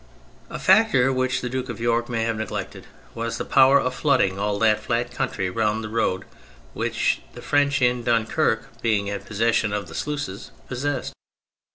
A factor which the Duke of York may have neglected was the power of flooding all that flat country round the road which the French in Dunquerque, being in possession of the sluices, possessed.